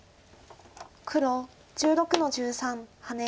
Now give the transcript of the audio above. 黒１６の十三ハネ。